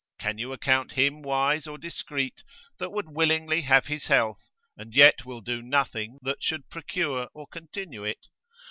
Can you account him wise or discreet that would willingly have his health, and yet will do nothing that should procure or continue it?